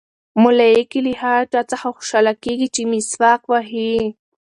ملایکې له هغه چا څخه خوشحاله کېږي چې مسواک وهي.